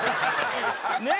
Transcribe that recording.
ねえ。